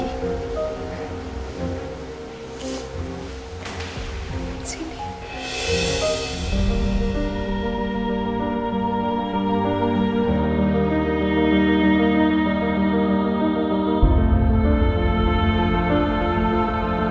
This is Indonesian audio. omah itu sakit belum sembuh benar